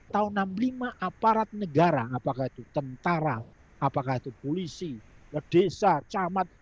tahun seribu sembilan ratus enam puluh lima aparat negara apakah itu tentara apakah itu polisi desa camat